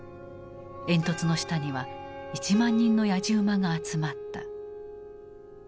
煙突の下には１万人のやじ馬が集まった。